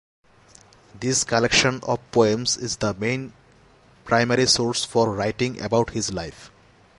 This collection of poems is the main primary source for writing about his life.